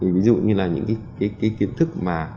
ví dụ như là những cái kiến thức mà